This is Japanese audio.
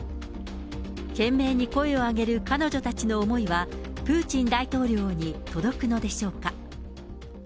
懸命に声を上げる彼女たちの思いは、プーチン大統領に届くのでしょうか。